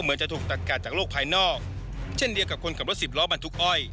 เหมือนจะถูกจัดกะจากโลกภายนอกเช่นเดียวกับคนกลับรทศิษย์ร้อนบรรทุกอ้อย